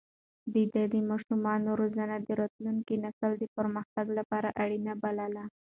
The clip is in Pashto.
ده د ماشومانو روزنه د راتلونکي نسل د پرمختګ لپاره اړينه بلله.